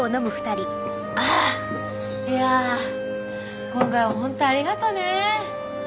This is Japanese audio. あぁいや今回はほんとありがとね。